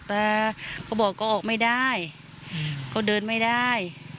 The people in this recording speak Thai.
แต่เขาบอกก็ออกไม่ได้เขาเดินไม่ได้